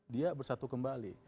dia bersatu kembali